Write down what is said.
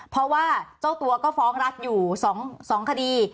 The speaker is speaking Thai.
เพราะว่าเจ้าตัวก็ฟ้องรัฐอยู่๒คดี